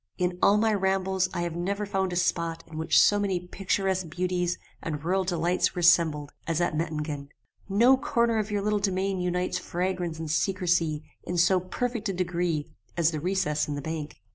In all my rambles I never found a spot in which so many picturesque beauties and rural delights were assembled as at Mettingen. No corner of your little domain unites fragrance and secrecy in so perfect a degree as the recess in the bank.